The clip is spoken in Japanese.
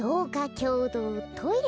きょうどうトイレ